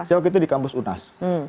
saya waktu itu di kampus unas